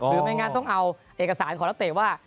ไม่งั้นต้องเอาเอกสารของนักเตะว่า